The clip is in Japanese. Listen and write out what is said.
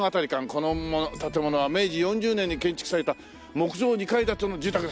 「この建物は明治４０年に建築された木造２階建ての住宅です」